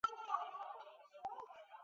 场上司职中场。